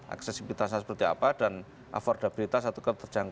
aksesibilitasnya seperti apa dan affordabilitas atau terjangkau